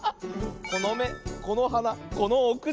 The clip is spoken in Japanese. このめこのはなこのおくち。